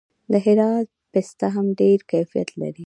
د هرات پسته هم ډیر کیفیت لري.